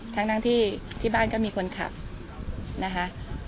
ทั้งที่ที่บ้านก็มีคนขับนะคะ